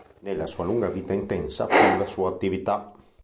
Nella sua lunga vita intensa fu la sua attività.